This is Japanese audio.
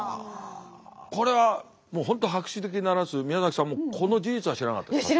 これは本当博識で鳴らす宮崎さんもこの事実は知らなかったですか？